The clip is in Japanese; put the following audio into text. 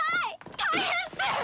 大変っす！